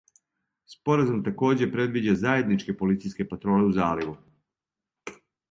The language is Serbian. Споразум такође предвиђа заједничке полицијске патроле у заливу.